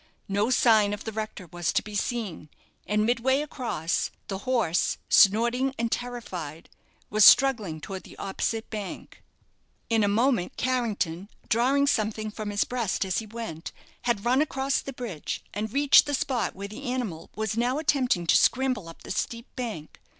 No sign of the rector was to be seen; and midway across, the horse, snorting and terrified, was struggling towards the opposite bank. In a moment Carrington, drawing something from his breast as he went, had run across the bridge, and reached the spot where the animal was now attempting to scramble up the steep bank.